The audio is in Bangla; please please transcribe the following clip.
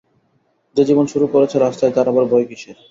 যে জীবন শুরু করেছে রাস্তায়, তার আবার ভয় কিসের?